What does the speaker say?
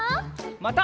また。